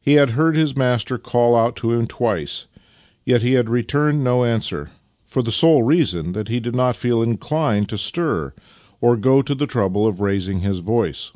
He had heard his master call out to him twice, yet had returned no answer, for the sole reason that he did not feel inclined to stir or to go to the trouble of raising his voice.